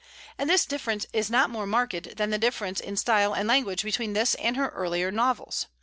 And this difference is not more marked than the difference in style and language between this and her earlier novels.